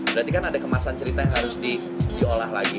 berarti kan ada kemasan cerita yang harus diolah lagi